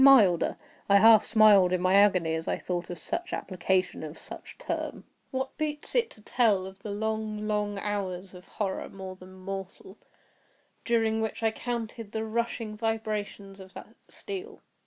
Milder! I half smiled in my agony as I thought of such application of such a term. What boots it to tell of the long, long hours of horror more than mortal, during which I counted the rushing vibrations of the steel!